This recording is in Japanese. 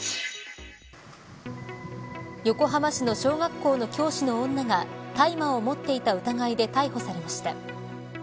横浜市の小学校の教師の女が大麻を持っていた疑いで逮捕されました。